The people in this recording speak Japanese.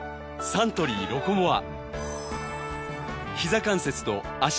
サントリー「ロコモア」